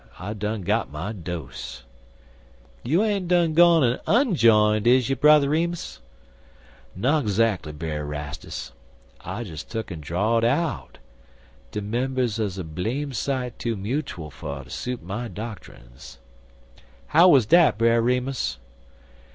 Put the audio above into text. I done got my dose." "You ain't done gone an' unjined, is you, Brer Remus?" "Not zackly, Brer Rastus. I des tuck'n draw'd out. De members 'uz a blame sight too mutuel fer ter suit my doctrines." "How wuz dat, Brer Remus?"